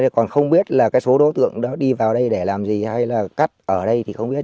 còn không biết là cái số đối tượng đó đi vào đây để làm gì hay là cắt ở đây thì không biết